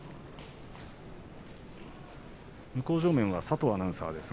向正面は佐藤アナウンサーです。